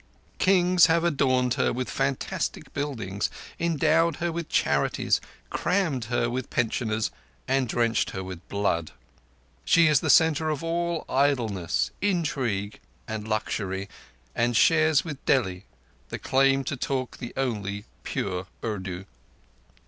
Kings have adorned her with fantastic buildings, endowed her with charities, crammed her with pensioners, and drenched her with blood. She is the centre of all idleness, intrigue, and luxury, and shares with Delhi the claim to talk the only pure Urdu.